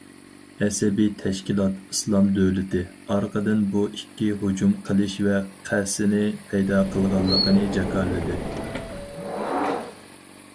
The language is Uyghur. ئەسەبىي تەشكىلات« ئىسلام دۆلىتى» ئارقىدىن بۇ ئىككى ھۇجۇم قىلىش ۋەقەسىنى پەيدا قىلغانلىقىنى جاكارلىدى.